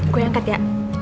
gue angkat ya